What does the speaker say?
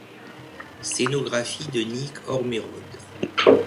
Scénographie de Nick Ormerod.